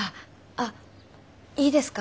あっいいですか？